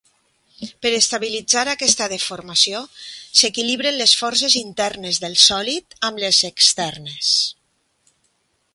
Per estabilitzar aquesta deformació, s'equilibren les forces internes del sòlid amb les externes.